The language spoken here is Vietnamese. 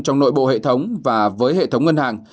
trong nội bộ hệ thống và với hệ thống ngân hàng